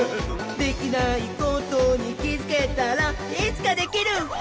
「できないことにきづけたらいつかできるひゃっほ」